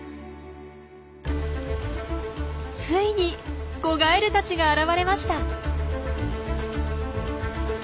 ついに子ガエルたちが現れました！